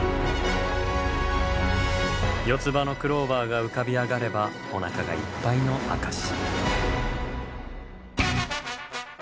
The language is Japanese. ４つ葉のクローバーが浮かび上がればおなかがいっぱいの証し。